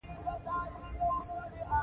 په تېرو دولسو کالو کې یې پیسې ګټلې وې.